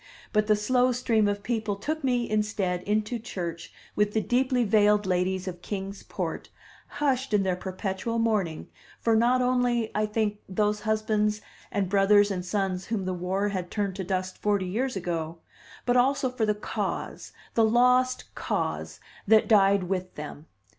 But the slow stream of people took me, instead, into church with the deeply veiled ladies of Kings Port, hushed in their perpetual mourning for not only, I think, those husbands and brothers and sons whom the war had turned to dust forty years ago, but also for the Cause, the lost Cause, that died with them.